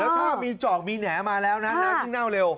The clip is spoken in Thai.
แล้วถ้ามีจอกมีแหนมาแล้วน่ะน่ะซึ่งน่าวเร็ว